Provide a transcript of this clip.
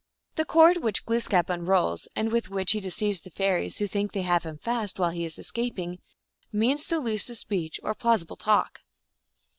The cord which Glooskap unrolls, and with which he deceives the fairies, who think they have him fast, while he is escaping, means delusive speech or plau sible talk.